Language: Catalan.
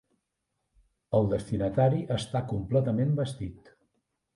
El destinatari està completament vestit.